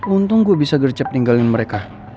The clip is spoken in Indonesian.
untung gue bisa gercep ninggalin mereka